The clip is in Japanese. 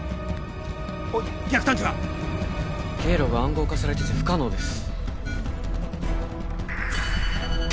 おい逆探知は⁉経路が暗号化されてて不可能です。